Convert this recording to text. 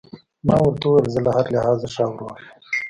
ما ورته وویل: زه له هر لحاظه ښه او روغ یم.